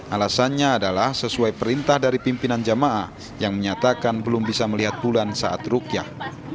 alasannya adalah sesuai perintah dari pimpinan jamaah yang menyatakan belum bisa melihat bulan saat rukyah